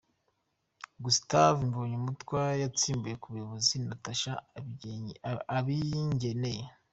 Gustave Mbonyumutwa yasimbuye ku buyobozi Natacha Abingeneye.